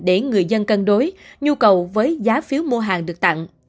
để người dân cân đối nhu cầu với giá phiếu mua hàng được tặng